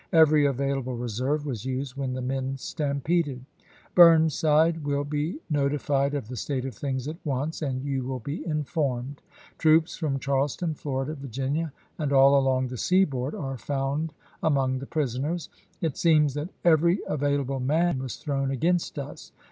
Every available reserve was used when the men stampeded. Burnside will be notified of the state of things at once, and you will be informed ; troops from Charleston, Florida, Virginia, and all along the sea board are found among the prisoners. It seems that every avail able man was thrown against us."